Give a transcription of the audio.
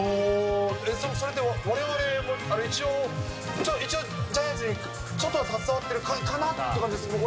それってわれわれも一応、一応ジャイアンツにちょっとは携わってるかなって感じする。